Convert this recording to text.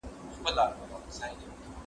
زه به د يادښتونه بشپړ کړي وي!.